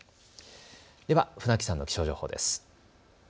では船木さんの気象情報です。